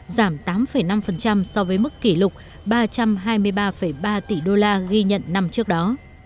giảm tám năm so với mức kỷ lục ba trăm hai mươi ba ba tỷ đô la ghi nhận năm trước đó